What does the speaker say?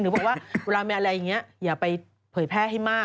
บอกว่าเวลามีอะไรอย่างนี้อย่าไปเผยแพร่ให้มาก